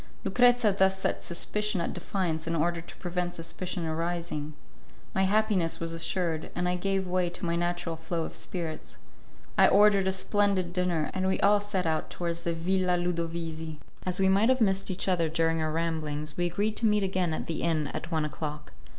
Lucrezia thus set suspicion at defiance in order to prevent suspicion arising. My happiness was assured, and I gave way to my natural flow of spirits. I ordered a splendid dinner, and we all set out towards the Villa Ludovisi. As we might have missed each other during our ramblings, we agreed to meet again at the inn at one o'clock.